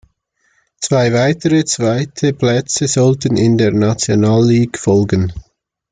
Zwei weitere zweite Plätze sollten in der National League folgen.